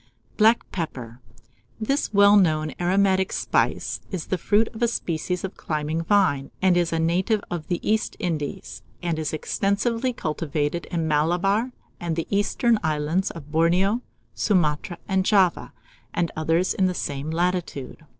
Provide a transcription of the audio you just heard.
] BLACK PEPPER. This well known aromatic spice is the fruit of a species of climbing vine, and is a native of the East Indies, and is extensively cultivated in Malabar and the eastern islands of Borneo, Sumatra, and Java, and others in the same latitude.